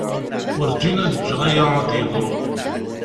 Werǧin ad ǧǧeɣ aya ad d-yeḍru.